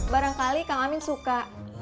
barangkali kang amin suka